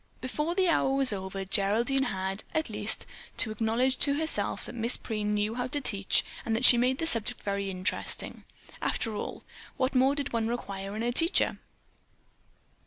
Before the hour was over Geraldine had, at least, to acknowledge to herself that Miss Preen knew how to teach and that she made the subject very interesting. After all, what more did one require in a teacher?